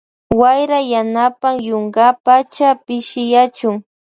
Wayra yanapan yunkapacha pishiyachun.